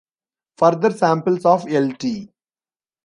Further samples of L.t.